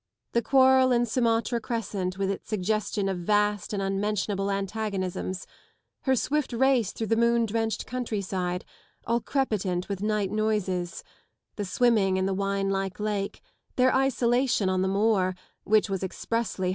The quarrel in Sumatra Crescent with its suggestion of vast and unmentionable antagonisms ; her swift race through the moon drenched countryside, all crepitant with night noises : the swimming in the wine like lake j their isolation on the moor, which was expressed!